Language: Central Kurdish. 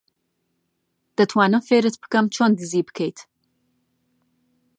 دەتوانم فێرت بکەم چۆن دزی بکەیت.